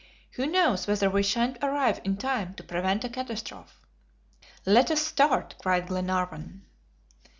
Who knows whether we shan't arrive in time to prevent a catastrophe." "Let us start," cried Glenarvan.